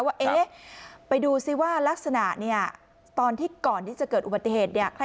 ว่าเอ๊ะไปดูซิว่าลักษณะเนี่ยตอนที่ก่อนที่จะเกิดอุบัติเหตุเนี่ย